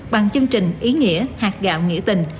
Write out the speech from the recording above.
bằng chương trình ý nghĩa hạt gạo nghĩa tình